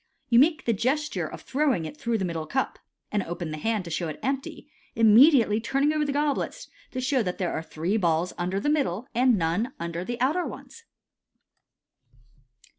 You make the gesture of throwing it through the middle cup, and open the hand to show it empty, immeuljtrly turn ing over the goblets to show that there are three balls under the middle and none under the outer ones.